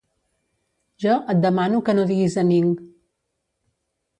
Jo et demano que no diguis a ning